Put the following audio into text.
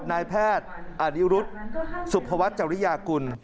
นายแพทย์อาริยุรุฑสุภวัฒน์เจ้าลิยากุล